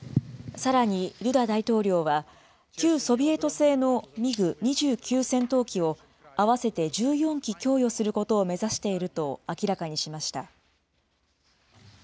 さらにドゥダ大統領は、旧ソビエト製のミグ２９戦闘機を、合わせて１４機供与することを目指していると明らかにしました。